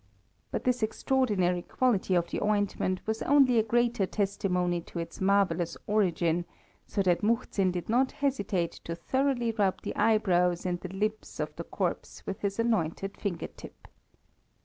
But this extraordinary quality of the ointment was only a greater testimony to its marvellous origin, so that Muhzin did not hesitate to thoroughly rub the eyebrows and the lips of the corpse with his anointed finger tip.